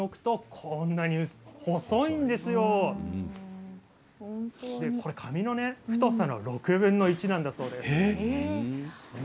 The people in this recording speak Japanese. これ髪の太さの６分の１なんだそうです。